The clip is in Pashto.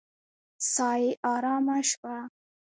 ساه يې آرامه شوه.